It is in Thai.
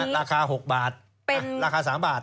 ราคา๖บาทราคา๓บาท